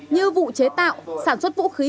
như vụ chế tạo sản xuất vũ khí